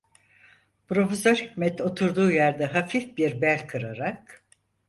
Profesör Hikmet oturduğu yerde hafif bir bel kırarak: